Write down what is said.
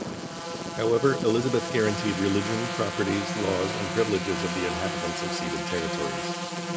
However, Elizabeth guaranteed religion, properties, laws and privileges of the inhabitants of ceded territories.